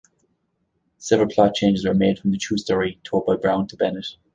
Several plot changes were made from the true story told by Browne to Bennett.